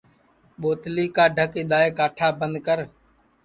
ٻوتلی کا ڈھک اِدؔائے کاٹھا بند کر